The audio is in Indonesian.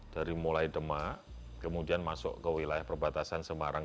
dari mulai demak kemudian masuk ke wilayah perbatasan semarang